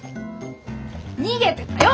逃げてたよ！